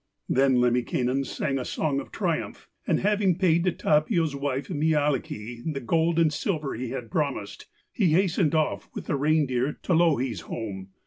Then Lemminkainen sang a song of triumph, and having paid to Tapio's wife, Mielikki, the gold and silver he had promised, he hastened off with the reindeer to Louhi's home.